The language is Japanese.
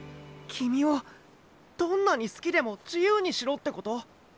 君をどんなに好きでも自由にしろってこと？